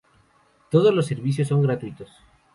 Todos los servicios son gratuitos.